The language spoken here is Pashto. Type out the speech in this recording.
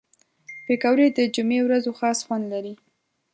پکورې د جمعې ورځو خاص خوند لري